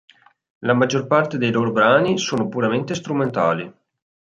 La maggior parte dei loro brani sono puramente strumentali.